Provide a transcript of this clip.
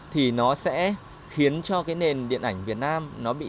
thì nó sẽ khiến cho nền điện ảnh việt nam bị thương mại